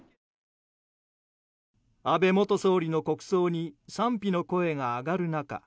安倍元総理の国葬に賛否の声が上がる中